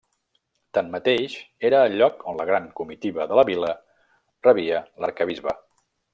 Tanmateix era el lloc on la gran comitiva de la vila rebia l'arquebisbe.